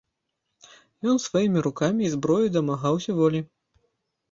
Ён сваімі рукамі і зброяй дамагаўся волі.